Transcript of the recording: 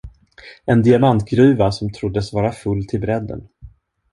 En diamantgruva, som troddes vara full till brädden.